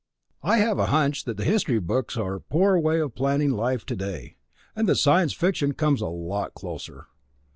I have a hunch that the history books are a poor way of planning a life today and that science fiction comes a lot closer.